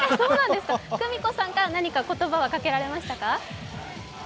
久美子さんから何か言葉はかけられましたか？